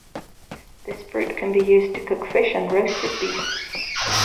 This fruit can be used to cook fish and roasted beef.